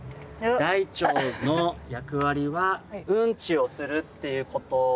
大腸の役割はうんちをするっていう事。